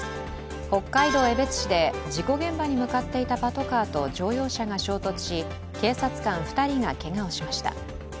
北海道江別市で事故現場に向かっていたパトカーと乗用車が衝突し警察官２人がけがをしました。